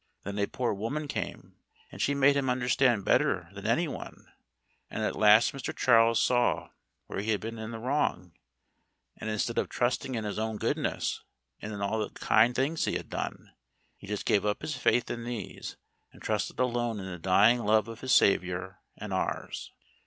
Then a poor woman came in, and she made him understand better than any one; and at last Mr. Charles saw where he had been in the wrong, and instead of trusting in his own goodness and in all the kind things he had done, he just gave up his faith in these, and trusted alone in the dying love of his Saviour, and ours.